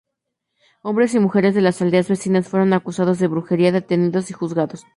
Hombres y mujeres de las aldeas vecinas fueron acusados de brujería, detenidos y juzgados.